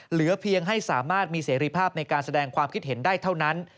เหลือเพียงให้สามารถมีเสรีภาพในการแสดงความคิดเห็นได้เท่านั้น